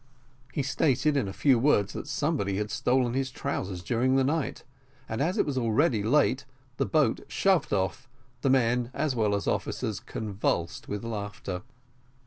He stated in a few words that somebody had stolen his trousers during the night; and as it was already late, the boat shoved off, the men as well as the officers convulsed with laughter.